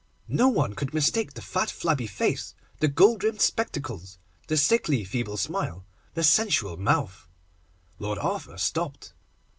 No one could mistake the fat, flabby face, the gold rimmed spectacles, the sickly feeble smile, the sensual mouth. Lord Arthur stopped.